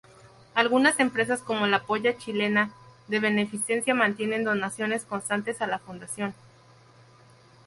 Algunas empresas, como la Polla Chilena de Beneficencia mantienen donaciones constantes a la fundación.